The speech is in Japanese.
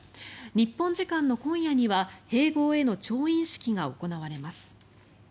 日本時間の今夜には併合への調印式が行われます。